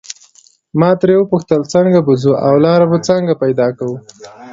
ما ترې وپوښتل څنګه به ځو او لاره به څنګه پیدا کوو.